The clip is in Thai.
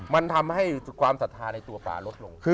มันทำให้ความศรัทธาในตัวป่าลดลง